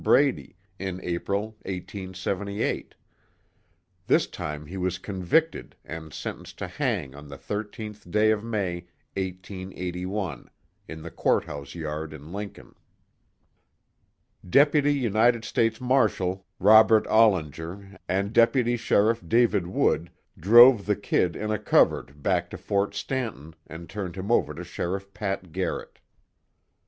Brady, in April, 1878. This time he was convicted, and sentenced to hang on the 13th day of May, 1881, in the Court House yard in Lincoln. Deputy United States Marshall, Robert Ollinger, and Deputy Sheriff David Wood, drove the "Kid" in a covered back to Fort Stanton, and turned him over to Sheriff Pat Garrett.